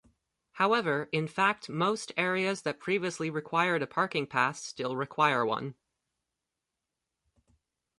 However, in fact most areas that previously required a parking pass still require one.